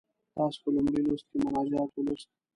تاسې په لومړي لوست کې مناجات ولوست.